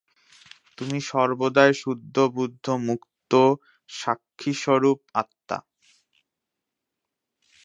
তুমি সর্বদাই শুদ্ধ বুদ্ধ মুক্ত সাক্ষিস্বরূপ আত্মা।